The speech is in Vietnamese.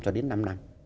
cho đến năm năm